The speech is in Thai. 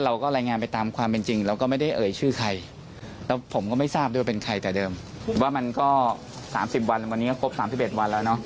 เพราะว่าข้อมูลมันทำหมดแล้ว